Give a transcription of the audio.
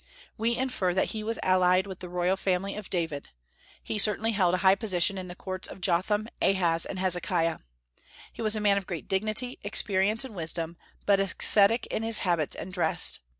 We infer that he was allied with the royal family of David; he certainly held a high position in the courts of Jotham, Ahaz, and Hezekiah. He was a man of great dignity, experience, and wisdom, but ascetic in his habits and dress.